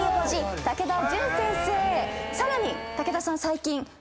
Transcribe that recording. さらに竹田さん。